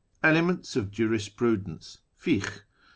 Elements of Jurisprudence (Fikh).